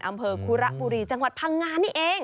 อำเภอคุระบุรีจังหวัดพังงานี่เอง